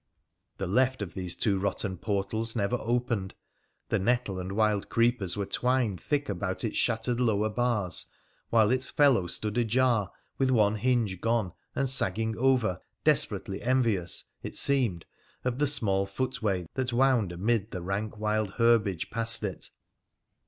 The left of these two rotten portals never opened, the nettle and wild creepers were twined thick about its shattered lower bars, while its fellow stood ajar, with one hinge gone, and sagging over, desperately envious, it seemed, of the small footway that wound amid the rank wild herbage past it.